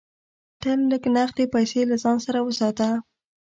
تل لږ نغدې پیسې له ځان سره وساته.